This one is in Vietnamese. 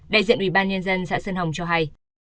đại diện ubnd xã sơn hồng cho hay